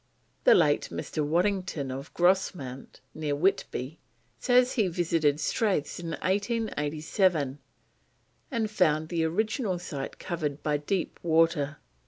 The late Mr. Waddington of Grosmont, near Whitby, says he visited Staithes in 1887 and found the original site covered by deep water.